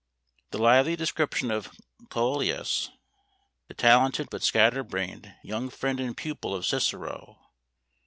The lively description of Cœlius, the talented, but scatter brained, young friend and pupil of Cicero (pp.